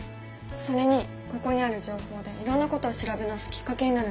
それにここにある情報でいろんなことを調べ直すきっかけになるんじゃない？